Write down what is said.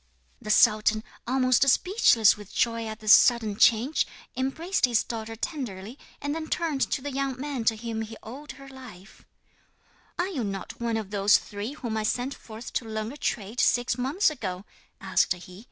The sultan, almost speechless with joy at this sudden change, embraced his daughter tenderly, and then turned to the young man to whom he owed her life: '"Are you not one of those three whom I sent forth to learn a trade six months ago?" asked he.